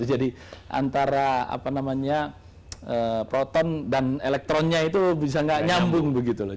jadi antara apa namanya proton dan elektronnya itu bisa gak nyambung begitu loh